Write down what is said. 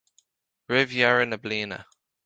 Roimh dheireadh na bliana.